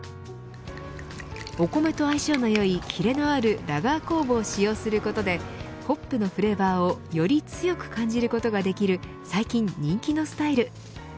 お米と相性のよいキレのあるラガー酵母を使用することでホップのフレーバーをより強く感じることができる最近人気のスタイル。